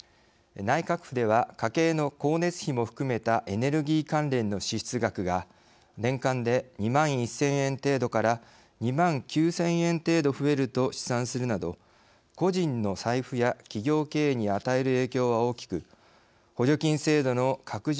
内閣府では家計の光熱費も含めたエネルギー関連の支出額が年間で２万１０００円程度から２万９０００円程度増えると試算するなど個人の財布や企業経営に与える